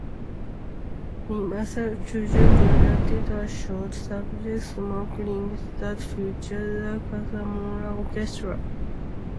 Universal Studios produced a short subject, "Smoke Rings", that featured the Casa Loma Orchestra.